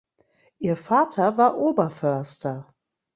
Ihr Vater war Oberförster.